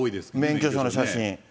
免許証の写真。